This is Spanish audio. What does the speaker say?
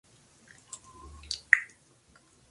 Es asimismo capital del distrito de Tambo.